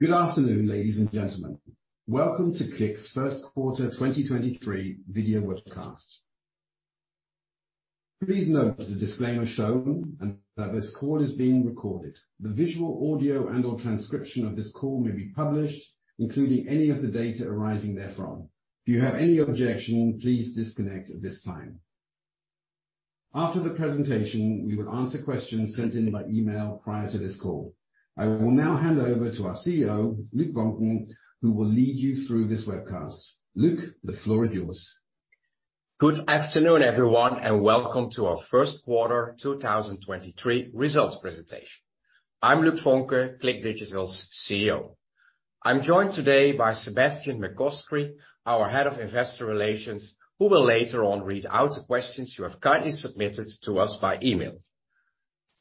Good afternoon, ladies and gentlemen. Welcome to CLIQ's first quarter 2023 video webcast. Please note the disclaimer shown and that this call is being recorded. The visual, audio and/or transcription of this call may be published, including any of the data arising therefrom. If you have any objection, please disconnect at this time. After the presentation, we will answer questions sent in by email prior to this call. I will now hand over to our CEO, Luc Voncken, who will lead you through this webcast. Luc, the floor is yours. Good afternoon, everyone, welcome to our first quarter 2023 results presentation. I'm Luc Voncken, CLIQ Digital's CEO. I'm joined today by Sebastian McCoskrie, our Head of Investor Relations, who will later on read out the questions you have kindly submitted to us by email.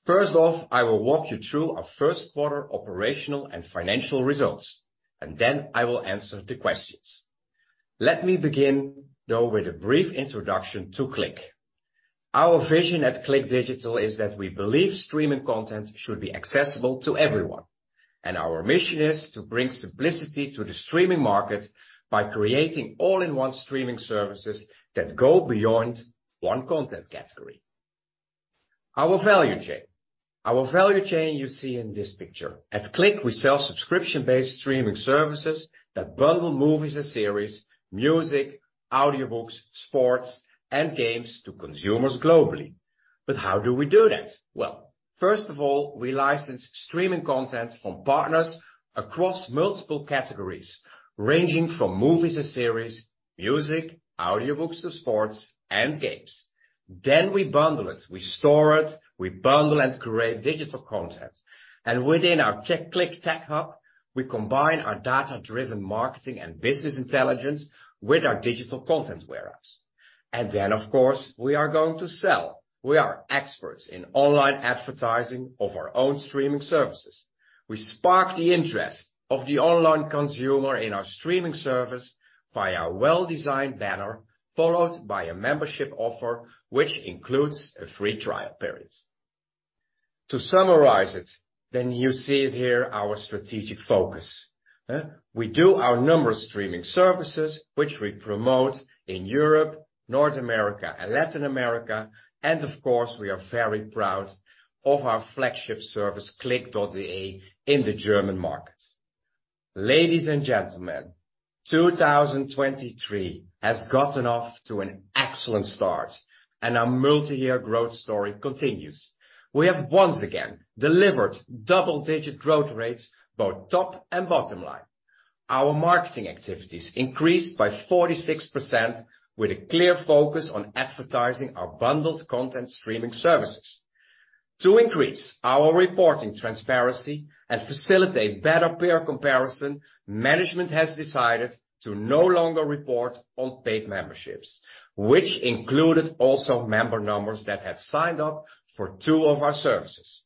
First off, I will walk you through our first quarter operational and financial results, then I will answer the questions. Let me begin, though, with a brief introduction to CLIQ. Our vision at CLIQ Digital is that we believe streaming content should be accessible to everyone, and our mission is to bring simplicity to the streaming market by creating all-in-one streaming services that go beyond one content category. Our value chain. Our value chain you see in this picture. At CLIQ, we sell subscription-based streaming services that bundle movies and series, music, audiobooks, sports, and games to consumers globally. How do we do that? Well, first of all, we license streaming content from partners across multiple categories, ranging from movies and series, music, audiobooks to sports and games. We bundle it. We store it, we bundle and create digital content. Within our CLIQ Tech Hub, we combine our data-driven marketing and business intelligence with our digital content warehouse. Of course, we are going to sell. We are experts in online advertising of our own streaming services. We spark the interest of the online consumer in our streaming service via well-designed banner, followed by a membership offer, which includes a free trial period. To summarize it, then you see it here, our strategic focus. We do our number of streaming services which we promote in Europe, North America, and Latin America. Of course, we are very proud of our flagship service, cliq.de, in the German market. Ladies and gentlemen, 2023 has gotten off to an excellent start and our multi-year growth story continues. We have once again delivered double-digit growth rates, both top and bottom line. Our marketing activities increased by 46% with a clear focus on advertising our bundled content streaming services. To increase our reporting transparency and facilitate better peer comparison, management has decided to no longer report on paid memberships, which included also member numbers that have signed up for two of our services.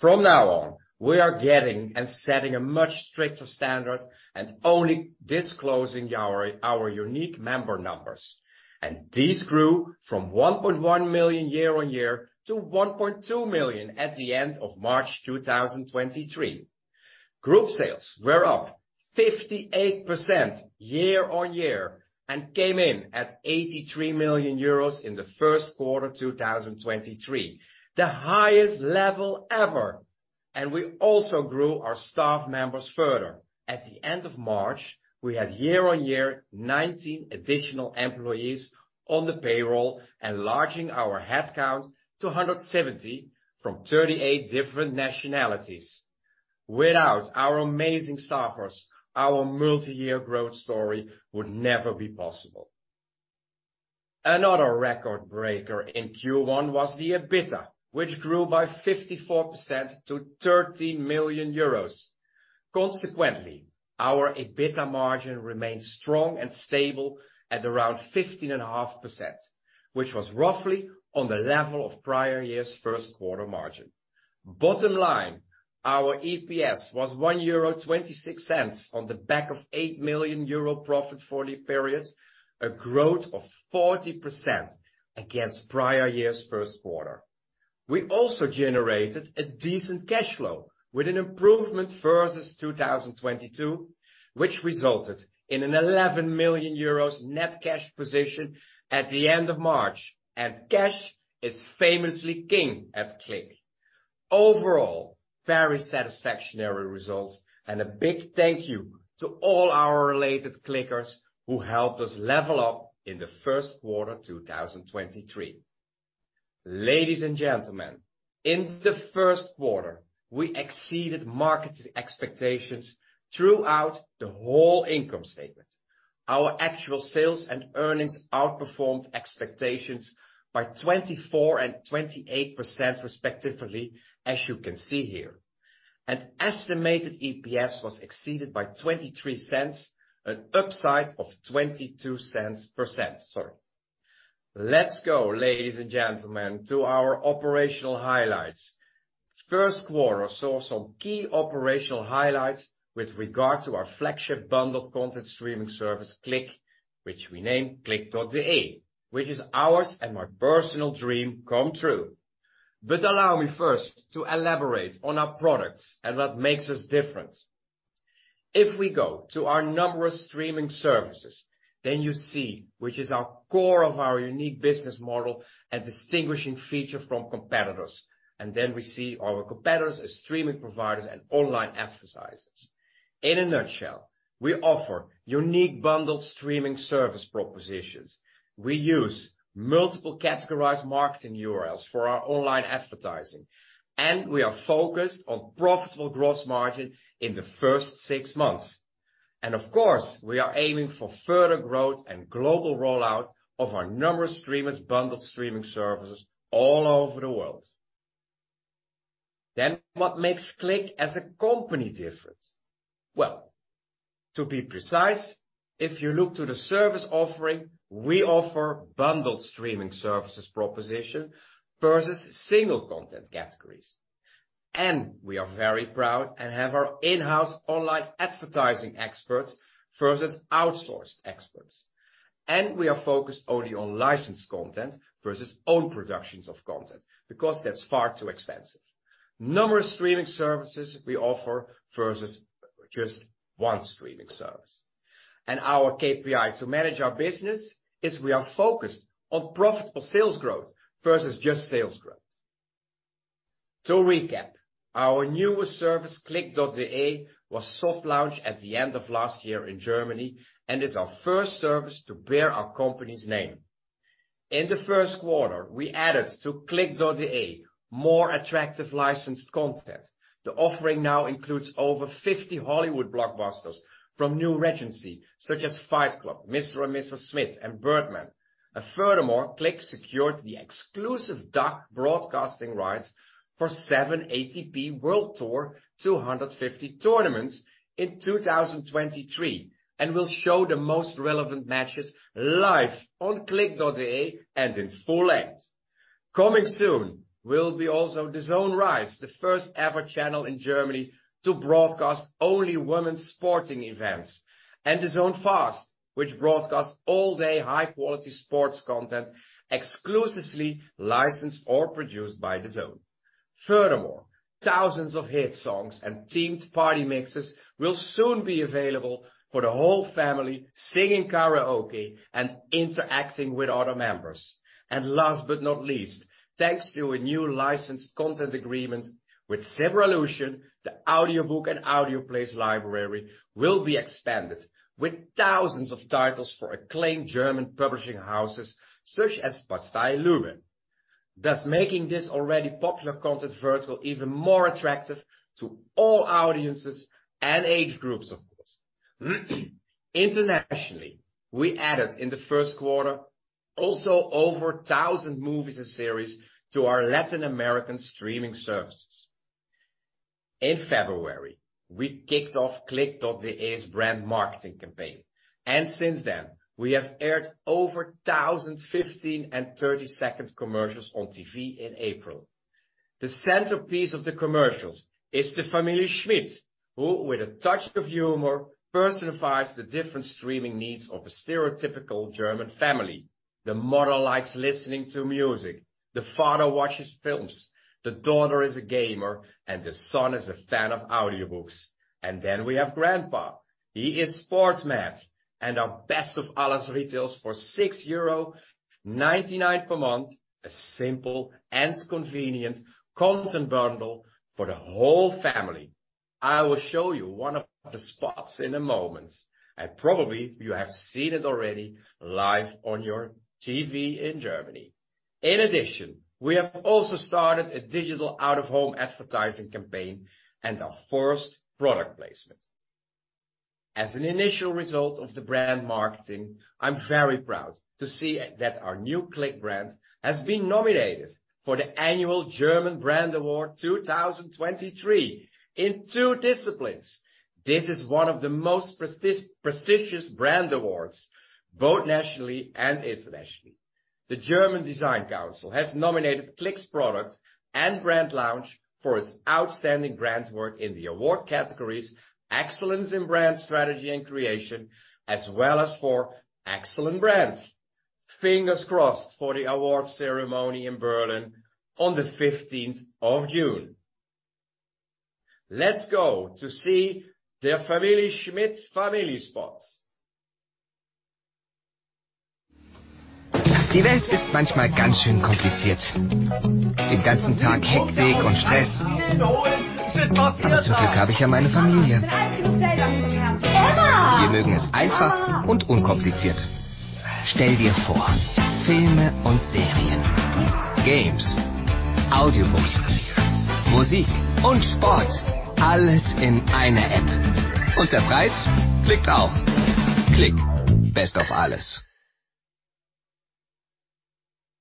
From now on, we are getting and setting a much stricter standard and only disclosing our unique member numbers. These grew from 1.1 million year-over-year to 1.2 million at the end of March 2023. Group sales were up 58% year-on-year and came in at 83 million euros in the first quarter 2023, the highest level ever. We also grew our staff members further. At the end of March, we had year-on-year 19 additional employees on the payroll, enlarging our headcount to 170 from 38 different nationalities. Without our amazing staffers, our multi-year growth story would never be possible. Another record breaker in Q1 was the EBITDA, which grew by 54% to 30 million euros. Our EBITDA margin remains strong and stable at around 15.5%, which was roughly on the level of prior year's first quarter margin. Our EPS was 1.26 euro on the back of 8 million euro profit for the period, a growth of 40% against prior year's first quarter. We also generated a decent cash flow with an improvement versus 2022, which resulted in an 11 million euros net cash position at the end of March. Cash is famously king at CLIQ. Overall, very satisfactory results. A big thank you to all our related CLIQers who helped us level up in the first quarter 2023. Ladies and gentlemen, in the first quarter, we exceeded market expectations throughout the whole income statement. Our actual sales and earnings outperformed expectations by 24% and 28%, respectively, as you can see here. An estimated EPS was exceeded by 0.23, an upside of 0.22 %, sorry. Let's go, ladies and gentlemen, to our operational highlights. First quarter saw some key operational highlights with regard to our flagship bundled content streaming service, Cliq, which we named cliq.de, which is ours and my personal dream come true. Allow me first to elaborate on our products and what makes us different. If we go to our numerous streaming services, you see which is our core of our unique business model and distinguishing feature from competitors, we see our competitors as streaming providers and online advertisers. In a nutshell, we offer unique bundled streaming service propositions. We use multiple categorized marketing URLs for our online advertising, we are focused on profitable gross margin in the first six months. Of course, we are aiming for further growth and global rollout of our numerous streamers bundled streaming services all over the world. What makes CLIQ as a company different? Well, to be precise, if you look to the service offering, we offer bundled streaming services proposition versus single content categories. We are very proud and have our in-house online advertising experts versus outsourced experts. We are focused only on licensed content versus own productions of content, because that's far too expensive. Numerous streaming services we offer versus just one streaming service. Our KPI to manage our business is we are focused on profitable sales growth versus just sales growth. To recap, our newest service, cliq.de, was soft launched at the end of last year in Germany and is our first service to bear our company's name. In the first quarter, we added to cliq.de more attractive licensed content. The offering now includes over 50 Hollywood blockbusters from New Regency, such as Fight Club, Mr. & Mrs. Smith, and Birdman. Furthermore, Cliq secured the exclusive DACH broadcasting rights for seven ATP Tour 250 tournaments in 2023, and will show the most relevant matches live on cliq.de and in full length. Coming soon will be also DAZN RISE, the first ever channel in Germany to broadcast only women's sporting events, and DAZN FAST, which broadcasts all-day high-quality sports content exclusively licensed or produced by DAZN. Furthermore, thousands of hit songs and themed party mixes will soon be available for the whole family singing karaoke and interacting with other members. Last but not least, thanks to a new licensed content agreement with Zebralution, the audiobook and audioplays library will be expanded with thousands of titles for acclaimed German publishing houses such as Bastei Lübbe. Thus making this already popular content vertical even more attractive to all audiences and age groups, of course. Internationally, we added in the first quarter also over 1,000 movies and series to our Latin American streaming services. In February, we kicked off cliq.de's brand marketing campaign. Since then, we have aired over 1,000 15- and 30-second commercials on TV in April. The centerpiece of the commercials is the Schmidt family, who with a touch of humor, personifies the different streaming needs of a stereotypical German family. The mother likes listening to music, the father watches films, the daughter is a gamer, and the son is a fan of audiobooks. Then we have grandpa, he is sports mad, and our Best of Alles retails for 6.99 euro per month, a simple and convenient content bundle for the whole family. I will show you one of the spots in a moment, and probably you have seen it already live on your TV in Germany. We have also started a digital out-of-home advertising campaign and our first product placement. As an initial result of the brand marketing, I'm very proud to see that our new Cliq brand has been nominated for the Annual German Brand Award 2023 in two disciplines. This is one of the most prestigious brand awards, both nationally and internationally. The German Design Council has nominated Cliq's product and brand launch for its outstanding brand work in the award categories, excellence in brand strategy and creation, as well as for excellent brands. Fingers crossed for the award ceremony in Berlin on the fifteenth of June. Let's go to see the Familie Schmidt spots.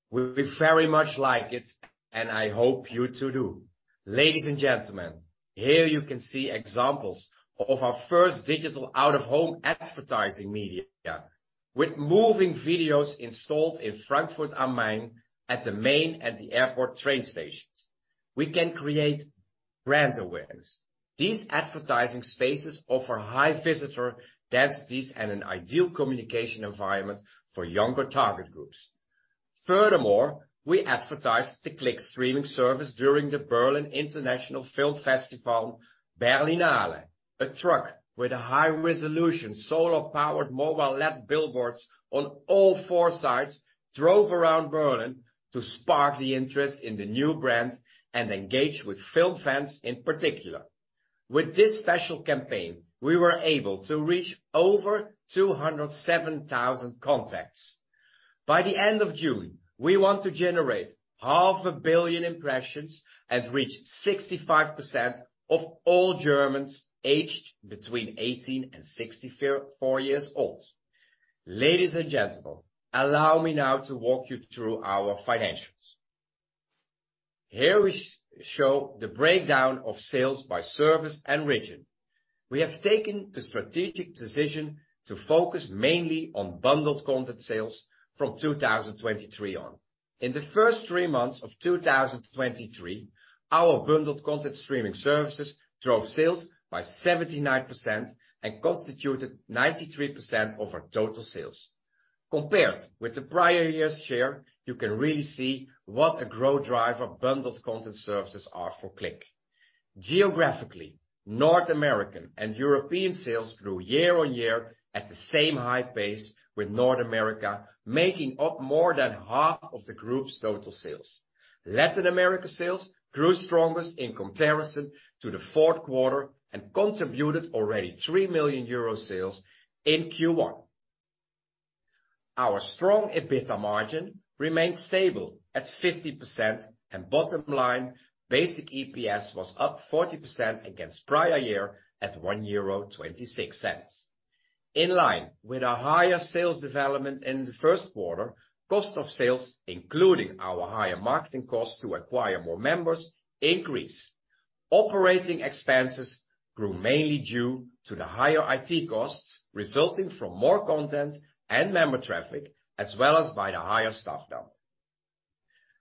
We very much like it, I hope you too do. Ladies and gentlemen, here you can see examples of our first digital out-of-home advertising media with moving videos installed in Frankfurt am Main at the Main and the Airport train stations. We can create brand awareness. These advertising spaces offer high visitor densities and an ideal communication environment for younger target groups. Furthermore, we advertise the Cliq streaming service during the Berlin International Film Festival, Berlinale. A truck with a high-resolution solar-powered mobile LED billboards on all four sides drove around Berlin to spark the interest in the new brand and engage with film fans in particular. With this special campaign, we were able to reach over 207,000 contacts. By the end of June, we want to generate half a billion impressions and reach 65% of all Germans aged between 18 and 64 years old. Ladies and gentlemen, allow me now to walk you through our financials. Here we show the breakdown of sales by service and region. We have taken the strategic decision to focus mainly on bundled content sales from 2023 on. In the first three months of 2023, our bundled content streaming services drove sales by 79% and constituted 93% of our total sales. Compared with the prior year's share, you can really see what a growth driver bundled content services are for Cliq. Geographically, North American and European sales grew year-on-year at the same high pace, with North America making up more than half of the group's total sales. Latin America sales grew strongest in comparison to the fourth quarter and contributed already 3 million euro sales in Q1. Our strong EBITDA margin remained stable at 50%, and bottom line, basic EPS was up 40% against prior year at 1.26 euro. In line with our higher sales development in the first quarter, cost of sales, including our higher marketing costs to acquire more members, increased. Operating expenses grew mainly due to the higher IT costs resulting from more content and member traffic, as well as by the higher staff count.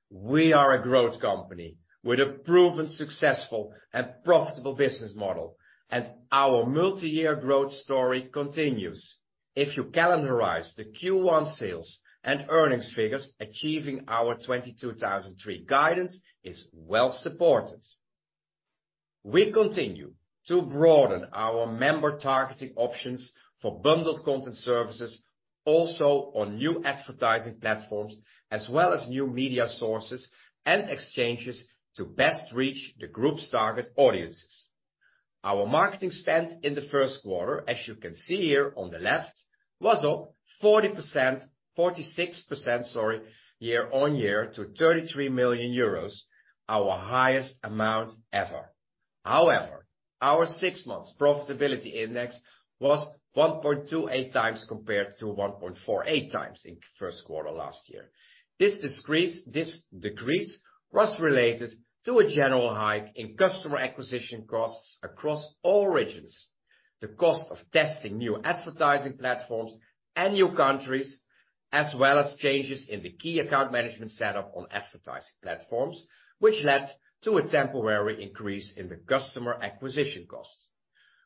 We are a growth company with a proven, successful and profitable business model, and our multi-year growth story continues. If you calendarize the Q1 sales and earnings figures, achieving our 2023 guidance is well supported. We continue to broaden our member targeting options for bundled content services also on new advertising platforms, as well as new media sources and exchanges to best reach the group's target audiences. Our marketing spend in the first quarter, as you can see here on the left, was up 46%, sorry, year-on-year to 33 million euros, our highest amount ever. Our six months profitability index was 1.28x compared to 1.48x in first quarter last year. This decrease was related to a general hike in customer acquisition costs across all regions, the cost of testing new advertising platforms and new countries, as well as changes in the key account management setup on advertising platforms, which led to a temporary increase in the customer acquisition costs.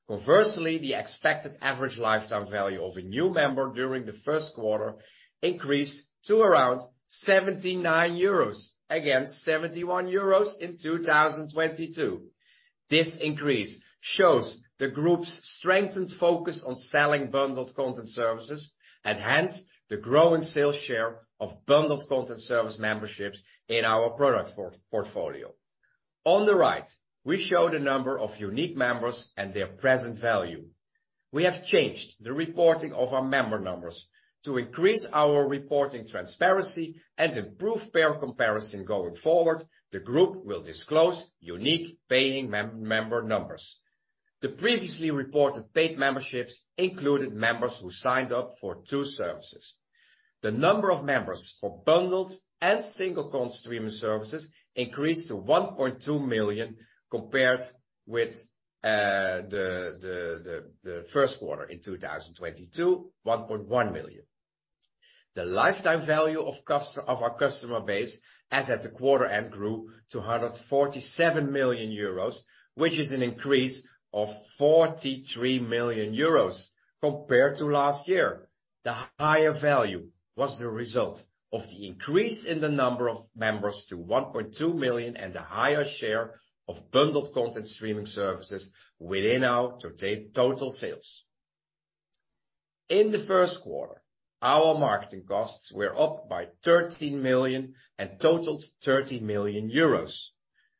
Conversely, the expected average lifetime value of a new member during the first quarter increased to around 79 euros, against 71 euros in 2022. This increase shows the group's strengthened focus on selling bundled content services and hence the growing sales share of bundled content service memberships in our product portfolio. On the right, we show the number of unique members and their present value. We have changed the reporting of our member numbers. To increase our reporting transparency and improve fair comparison going forward, the group will disclose unique paying member numbers. The previously reported paid memberships included members who signed up for two services. The number of members for bundled and single streaming services increased to 1.2 million compared with the first quarter in 2022, 1.1 million. The lifetime value of our customer base, as at the quarter end, grew to 147 million euros, which is an increase of 43 million euros compared to last year. The higher value was the result of the increase in the number of members to 1.2 million and the higher share of bundled content streaming services within our total sales. In the first quarter, our marketing costs were up by 13 million and totaled 30 million euros.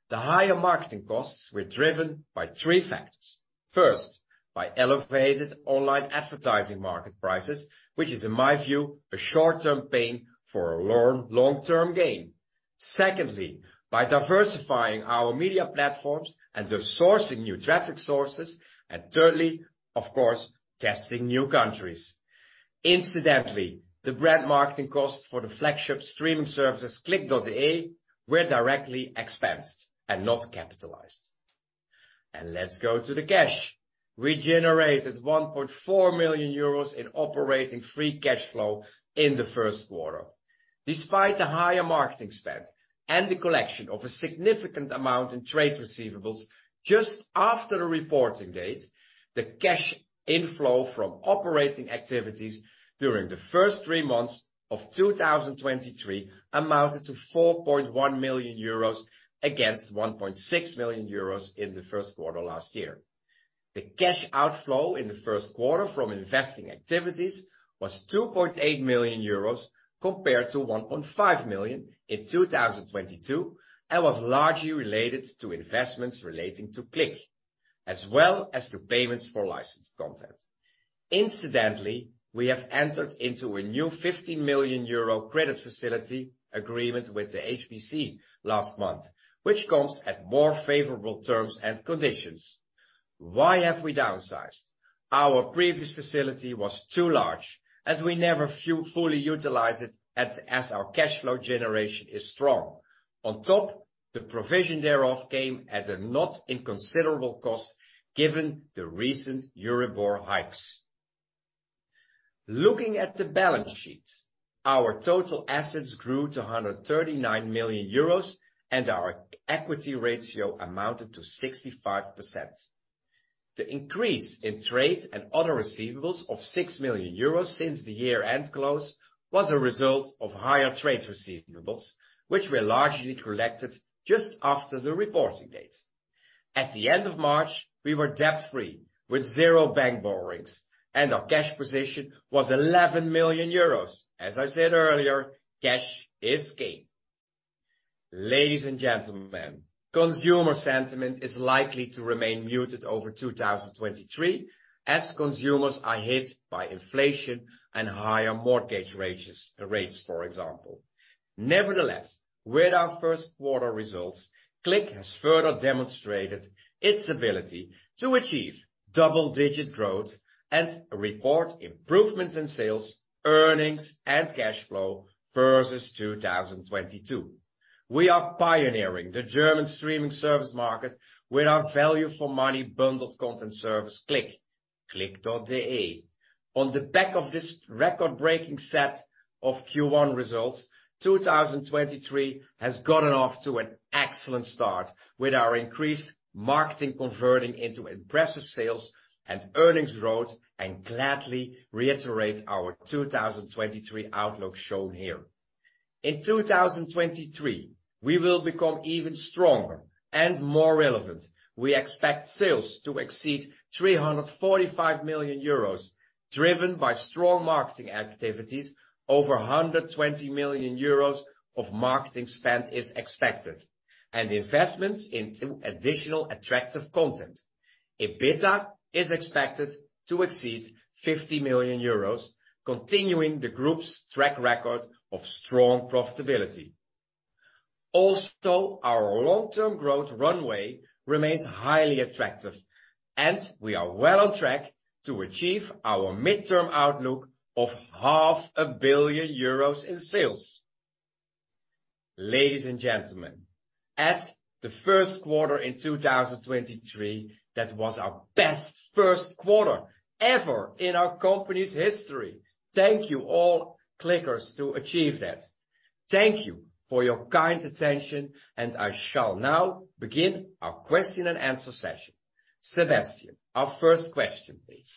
The higher marketing costs were driven by three factors. First, by elevated online advertising market prices, which is, in my view, a short term pain for a long, long term gain. Secondly, by diversifying our media platforms and the sourcing new traffic sources. Thirdly, of course, testing new countries. Incidentally, the brand marketing costs for the flagship streaming services cliq.de were directly expensed and not capitalized. Let's go to the cash. We generated 1.4 million euros in operating free cash flow in the first quarter. Despite the higher marketing spend and the collection of a significant amount in trade receivables just after the reporting date, the cash inflow from operating activities during the first three months of 2023 amounted to 4.1 million euros against 1.6 million euros in the first quarter last year. The cash outflow in the first quarter from investing activities was 2.8 million euros compared to 1.5 million in 2022, and was largely related to investments relating to Cliq, as well as the payments for licensed content. Incidentally, we have entered into a new 50 million euro credit facility agreement with HSBC last month, which comes at more favorable terms and conditions. Why have we downsized? Our previous facility was too large, as we never fully utilized it as our cash flow generation is strong. The provision thereof came at a not inconsiderable cost given the recent Euribor hikes. Looking at the balance sheet, our total assets grew to 139 million euros, and our equity ratio amounted to 65%. The increase in trade and other receivables of 6 million euros since the year-end close was a result of higher trade receivables, which were largely collected just after the reporting date. At the end of March, we were debt-free, with 0 bank borrowings, and our cash position was 11 million euros. As I said earlier, cash is king. Ladies and gentlemen, consumer sentiment is likely to remain muted over 2023, as consumers are hit by inflation and higher mortgage rates, for example. Nevertheless, with our first quarter results, Cliq has further demonstrated its ability to achieve double-digit growth and report improvements in sales, earnings, and cash flow versus 2022. We are pioneering the German streaming service market with our value for money bundled content service, Cliq, cliq.de. On the back of this record-breaking set of Q1 results, 2023 has gotten off to an excellent start with our increased marketing converting into impressive sales and earnings growth, and gladly reiterate our 2023 outlook shown here. In 2023, we will become even stronger and more relevant. We expect sales to exceed 345 million euros, driven by strong marketing activities. Over 120 million euros of marketing spend is expected, and investments into additional attractive content. EBITDA is expected to exceed 50 million euros, continuing the group's track record of strong profitability. Our long-term growth runway remains highly attractive, and we are well on track to achieve our midterm outlook of half a billion euros in sales. Ladies and gentlemen, at the first quarter in 2023, that was our best first quarter ever in our company's history. Thank you all Clickers to achieve that. Thank you for your kind attention, and I shall now begin our question and answer session. Sebastian, our first question, please.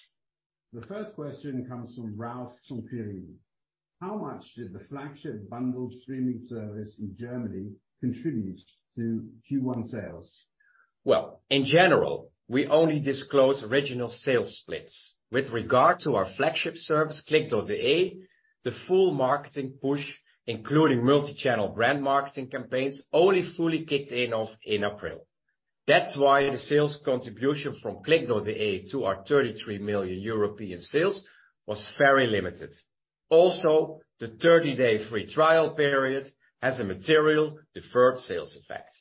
The first question comes from Ralf Schremper. How much did the flagship bundled streaming service in Germany contribute to Q1 sales? Well, in general, we only disclose regional sales splits. With regard to our flagship service, cliq.de, the full marketing push, including multi-channel brand marketing campaigns, only fully kicked in off in April. That's why the sales contribution from cliq.de to our 33 million sales was very limited. Also, the 30-day free trial period has a material deferred sales effect.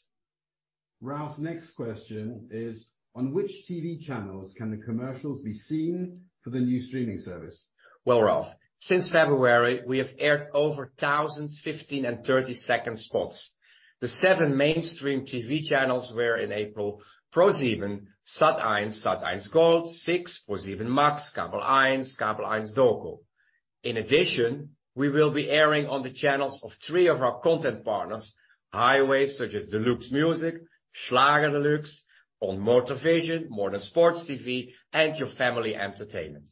Ralph's next question is, on which TV channels can the commercials be seen for the new streaming service? Well, Ralf, since February, we have aired over 1,015 and 30-second spots. The seven mainstream TV channels were in April, ProSieben, Sat.1, Sat.1 Gold, sixx, ProSieben Maxx, kabel eins, kabel eins Doku. In addition, we will be airing on the channels of three of our content partners, highways such as Deluxe Music, Schlager Deluxe on Motorvision, More Than Sports TV, and Your Family Entertainment.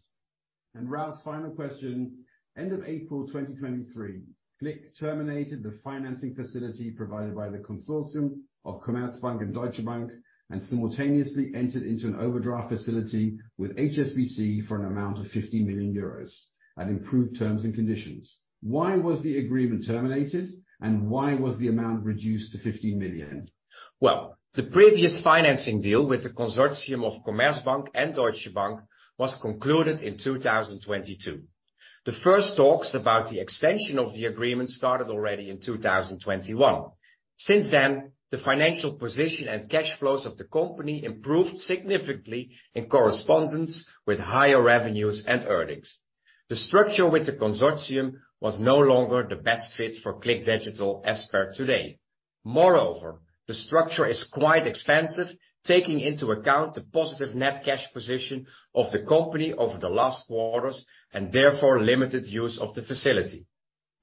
Ralph's final question. End of April 2023, Cliq terminated the financing facility provided by the consortium of Commerzbank and Deutsche Bank, and simultaneously entered into an overdraft facility with HSBC for an amount of 50 million euros at improved terms and conditions. Why was the agreement terminated, and why was the amount reduced to 50 million? Well, the previous financing deal with the consortium of Commerzbank and Deutsche Bank was concluded in 2022. The first talks about the extension of the agreement started already in 2021. Since then, the financial position and cash flows of the company improved significantly in correspondence with higher revenues and earnings. The structure with the consortium was no longer the best fit for CLIQ Digital as per today. Moreover, the structure is quite expensive, taking into account the positive net cash position of the company over the last quarters and therefore, limited use of the facility.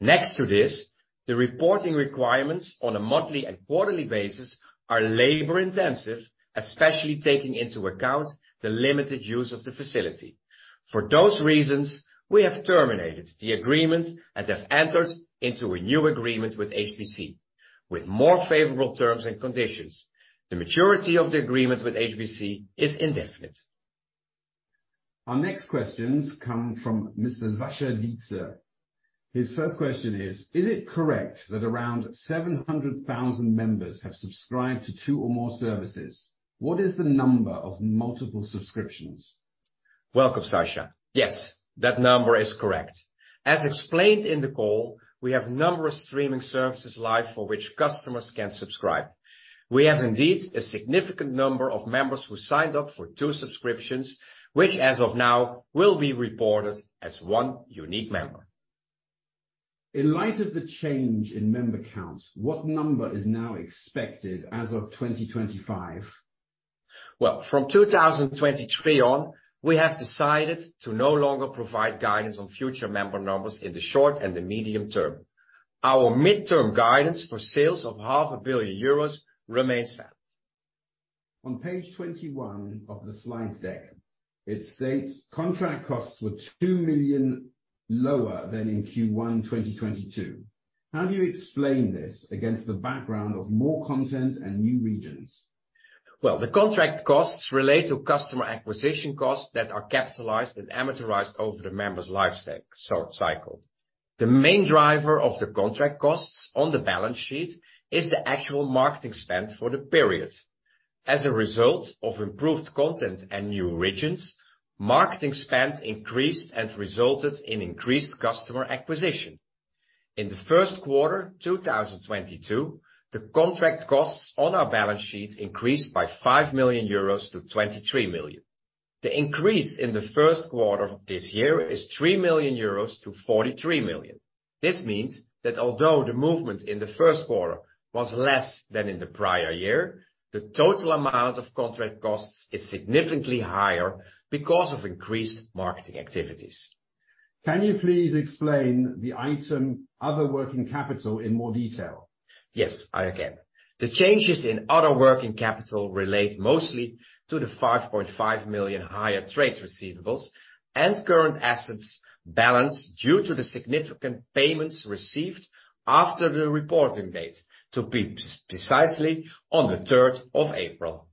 Next to this, the reporting requirements on a monthly and quarterly basis are labor-intensive, especially taking into account the limited use of the facility. For those reasons, we have terminated the agreement and have entered into a new agreement with HSBC with more favorable terms and conditions. The maturity of the agreement with HSBC is indefinite. Our next questions come from Mr. Sascha Dietz. His first question is it correct that around 700,000 members have subscribed to two or more services? What is the number of multiple subscriptions? Welcome, Sascha. Yes, that number is correct. As explained in the call, we have number of streaming services live for which customers can subscribe. We have indeed a significant number of members who signed up for two subscriptions, which as of now, will be reported as one unique member. In light of the change in member count, what number is now expected as of 2025? Well, from 2023 on, we have decided to no longer provide guidance on future member numbers in the short and the medium term. Our midterm guidance for sales of half a billion euros remains fast. On page 21 of the slides deck, it states contract costs were $2 million lower than in Q1 2022. How do you explain this against the background of more content and new regions? The contract costs relate to customer acquisition costs that are capitalized and amortized over the members life cycle. The main driver of the contract costs on the balance sheet is the actual marketing spend for the period. As a result of improved content and new regions, marketing spend increased and resulted in increased customer acquisition. In the first quarter 2022, the contract costs on our balance sheet increased by 5 million-23 million euros. The increase in the first quarter of this year is 3 million-43 million euros. This means that although the movement in the first quarter was less than in the prior year, the total amount of contract costs is significantly higher because of increased marketing activities. Can you please explain the item other working capital in more detail? Yes, I can. The changes in other working capital relate mostly to the 5.5 million higher trade receivables and current assets balance due to the significant payments received after the reporting date, to be precisely on the third of April.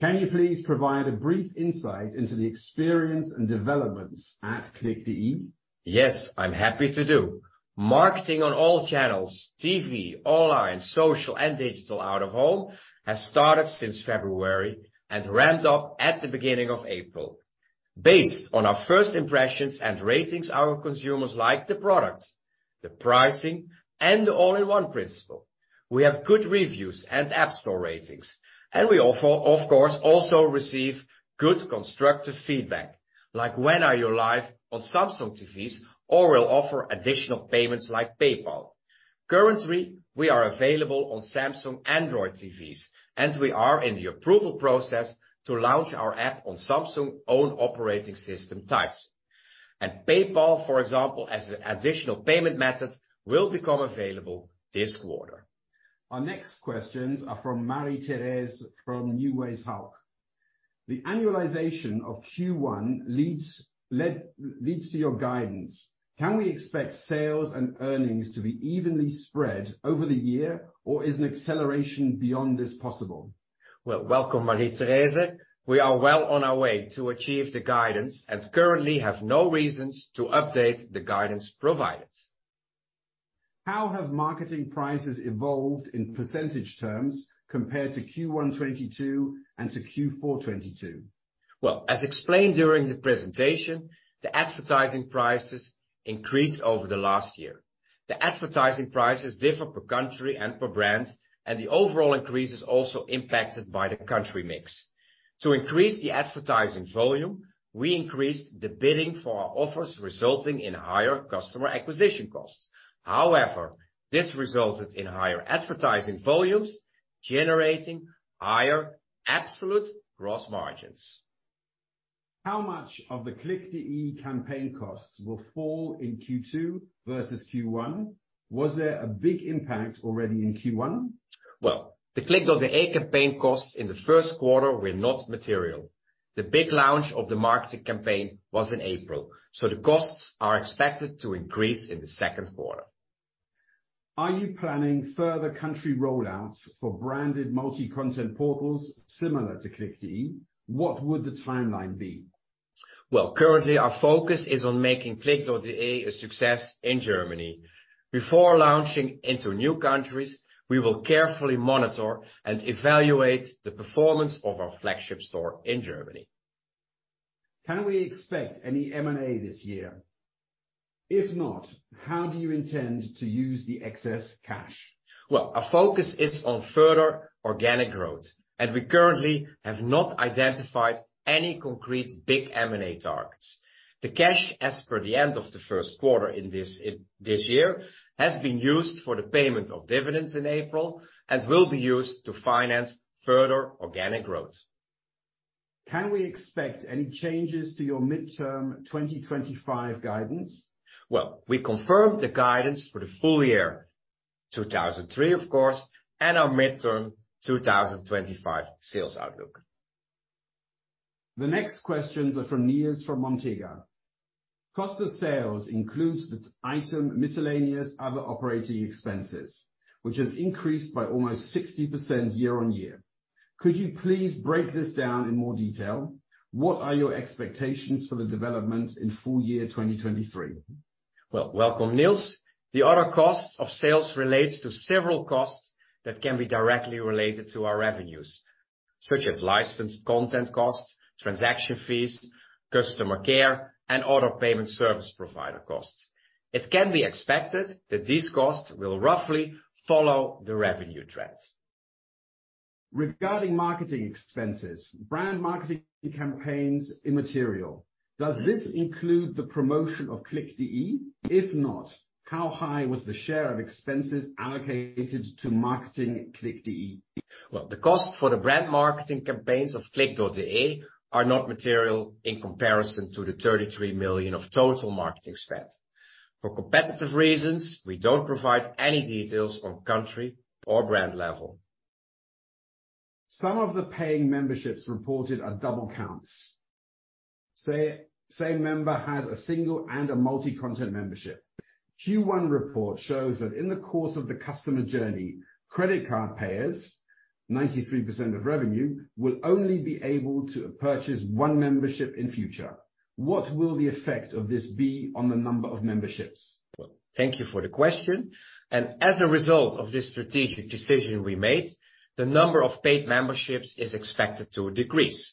Can you please provide a brief insight into the experience and developments at cliq.de? Yes, I'm happy to do. Marketing on all channels, TV, online, social, and digital out of home, has started since February and ramped up at the beginning of April. Based on our first impressions and ratings, our consumers like the product, the pricing, and the all-in-one principle. We have good reviews and app store ratings, and we also, of course, receive good constructive feedback. Like, when are you live on Samsung TVs, or will offer additional payments like PayPal? Currently, we are available on Samsung Android TVs, and we are in the approval process to launch our app on Samsung own operating system types. PayPal, for example, as additional payment method, will become available this quarter. Our next questions are from Marie-Thérèse from Hauck. The annualization of Q1 leads to your guidance. Can we expect sales and earnings to be evenly spread over the year, or is an acceleration beyond this possible? Welcome, Marie-Thérèse. We are well on our way to achieve the guidance and currently have no reasons to update the guidance provided. How have marketing prices evolved in percentage terms compared to Q1 2022 and to Q4 2022? Well, as explained during the presentation, the advertising prices increased over the last year. The advertising prices differ per country and per brand, and the overall increase is also impacted by the country mix. To increase the advertising volume, we increased the bidding for our offers, resulting in higher customer acquisition costs. However, this resulted in higher advertising volumes, generating higher absolute gross margins. How much of the cliq.de campaign costs will fall in Q2 versus Q1? Was there a big impact already in Q1? Well, the cliq.de campaign costs in the first quarter were not material. The big launch of the marketing campaign was in April, the costs are expected to increase in the second quarter. Are you planning further country roll-outs for branded multi-content portals similar to cliq.de? What would the timeline be? Well, currently, our focus is on making cliq.de a success in Germany. Before launching into new countries, we will carefully monitor and evaluate the performance of our flagship store in Germany. Can we expect any M&A this year? If not, how do you intend to use the excess cash? Well, our focus is on further organic growth, and we currently have not identified any concrete big M&A targets. The cash as per the end of the first quarter in this year, has been used for the payment of dividends in April and will be used to finance further organic growth. Can we expect any changes to your midterm 2025 guidance? Well, we confirm the guidance for the full year 2003, of course, and our midterm 2025 sales outlook. The next questions are from Nils from Montega. Cost of sales includes the item miscellaneous other operating expenses, which has increased by almost 60% year-on-year. Could you please break this down in more detail? What are your expectations for the development in full year 2023? Well, welcome, Nils. The other cost of sales relates to several costs that can be directly related to our revenues, such as license content costs, transaction fees, customer care, and other payment service provider costs. It can be expected that these costs will roughly follow the revenue trends. Regarding marketing expenses, brand marketing campaigns immaterial, does this include the promotion of Cliq.de? If not, how high was the share of expenses allocated to marketing cliq.de? Well, the cost for the brand marketing campaigns of cliq.de are not material in comparison to the 33 million of total marketing spend. For competitive reasons, we don't provide any details on country or brand level. Some of the paying memberships reported are double counts. Say, same member has a single and a multi-content membership. Q1 report shows that in the course of the customer journey, credit card payers, 93% of revenue, will only be able to purchase one membership in future. What will the effect of this be on the number of memberships? Well, thank you for the question. As a result of this strategic decision we made, the number of paid memberships is expected to decrease.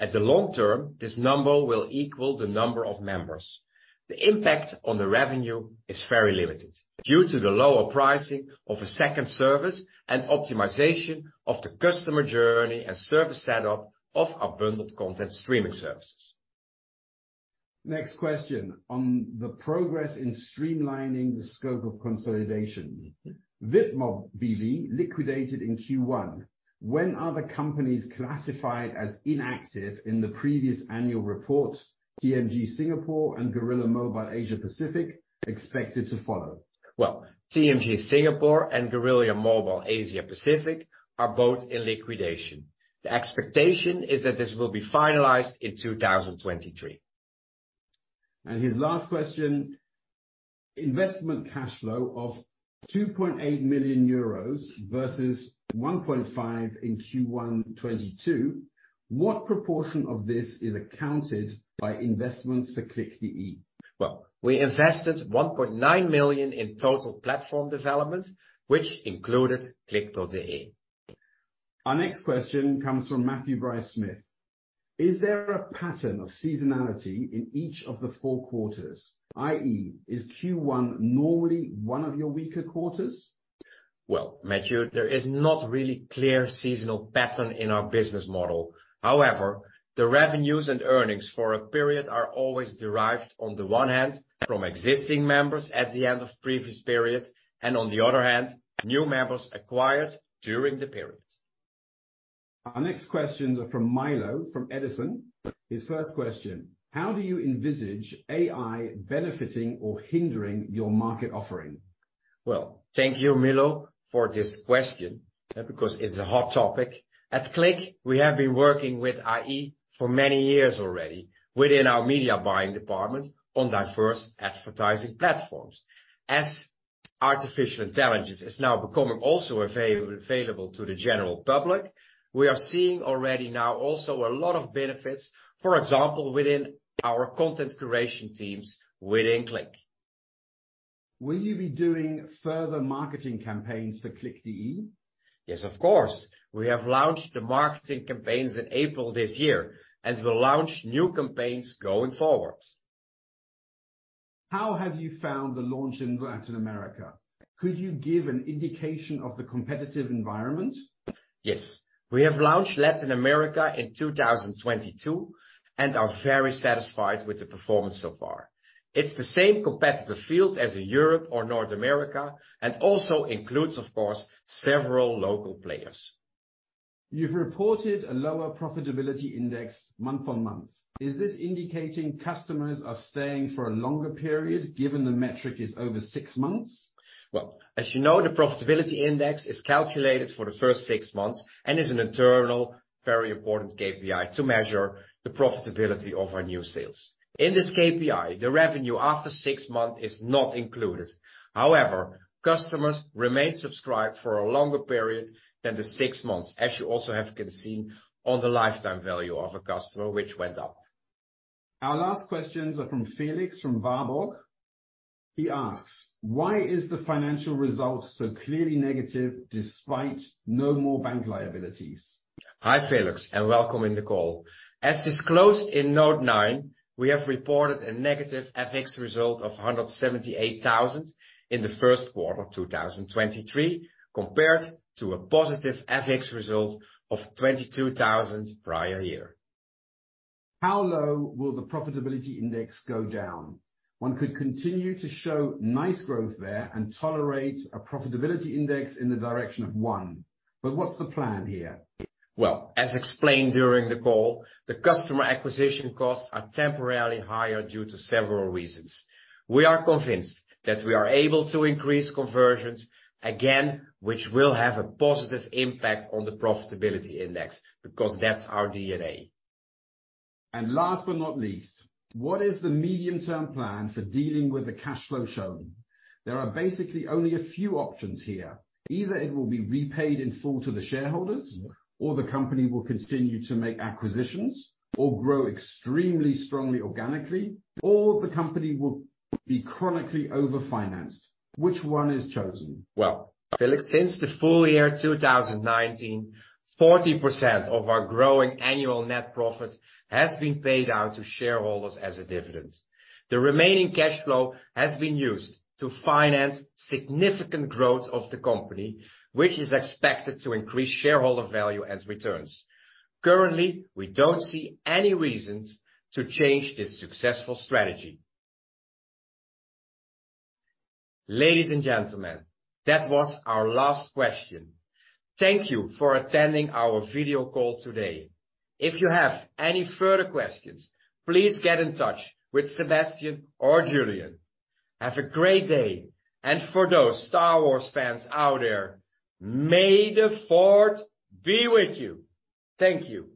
At the long term, this number will equal the number of members. The impact on the revenue is very limited due to the lower pricing of a second service and optimization of the customer journey and service setup of our bundled content streaming services. Next question on the progress in streamlining the scope of consolidation. VIPMOB B.V. liquidated in Q1. When are the companies classified as inactive in the previous annual report, TMG Singapore and Guerilla Mobile Asia Pacific expected to follow? Well, TMG Singapore and Guerilla Mobile Asia Pacific are both in liquidation. The expectation is that this will be finalized in 2023. His last question, investment cash flow of 2.8 million euros versus 1.5 million in Q1 2022. What proportion of this is accounted by investments for cliq.de? Well, we invested 1.9 million in total platform development, which included cliq.de. Our next question comes from Matthew Bryce-Smith. Is there a pattern of seasonality in each of the four quarters, i.e., is Q1 normally one of your weaker quarters? Well, Matthew, there is not really clear seasonal pattern in our business model. However, the revenues and earnings for a period are always derived on the one hand from existing members at the end of previous period and on the other hand, new members acquired during the period. Our next questions are from Milo, from Edison. His first question: How do you envisage AI benefiting or hindering your market offering? Well, thank you Milo for this question because it's a hot topic. At Cliq, we have been working with AI for many years already within our media buying department on diverse advertising platforms. As artificial intelligence is now becoming also available to the general public, we are seeing already now also a lot of benefits, for example, within our content creation teams within Cliq. Will you be doing further marketing campaigns for cliq.de? Yes, of course. We have launched the marketing campaigns in April this year and will launch new campaigns going forward. How have you found the launch in Latin America? Could you give an indication of the competitive environment? Yes. We have launched Latin America in 2022 and are very satisfied with the performance so far. It's the same competitive field as Europe or North America, and also includes, of course, several local players. You've reported a lower profitability index month-on-month. Is this indicating customers are staying for a longer period, given the metric is over six months? Well, as you know, the profitability index is calculated for the first six months and is an internal very important KPI to measure the profitability of our new sales. In this KPI, the revenue after six months is not included. However, customers remain subscribed for a longer period than the six months, as you also have seen on the lifetime value of a customer which went up. Our last questions are from Felix, from Warburg. He asks, why is the financial result so clearly negative despite no more bank liabilities? Hi, Felix, and welcome in the call. As disclosed in note nine, we have reported a negative FX result of 178,000 in the first quarter 2023, compared to a positive FX result of 22 prior year. How low will the profitability index go down? One could continue to show nice growth there and tolerate a profitability index in the direction of one. What's the plan here? Well, as explained during the call, the customer acquisition costs are temporarily higher due to several reasons. We are convinced that we are able to increase conversions, again, which will have a positive impact on the profitability index because that's our DNA. Last but not least, what is the medium-term plan for dealing with the cash flow shown? There are basically only a few options here. Either it will be repaid in full to the shareholders, or the company will continue to make acquisitions or grow extremely strongly organically, or the company will be chronically over-financed. Which one is chosen? Well, Felix, since the full year 2019, 40% of our growing annual net profit has been paid out to shareholders as a dividend. The remaining cash flow has been used to finance significant growth of the company, which is expected to increase shareholder value and returns. Currently, we don't see any reasons to change this successful strategy. Ladies and gentlemen, that was our last question. Thank you for attending our video call today. If you have any further questions, please get in touch with Sebastian or Julian. Have a great day. For those Star Wars fans out there, may the Force be with you. Thank you.